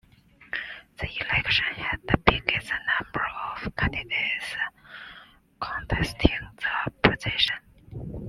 The election had the biggest number of candidates contesting the position.